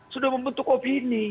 sudah membentuk opini